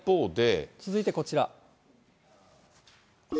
続いてこちら。